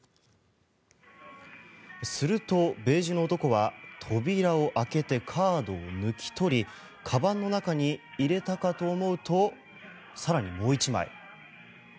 すると、ベージュの男は扉を開けてカードを抜き取りかばんの中に入れたかと思うと更にもう１枚。